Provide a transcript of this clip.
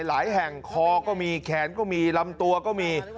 หลายแห่งคอก็มีแขนก็มีลำตัวก็มี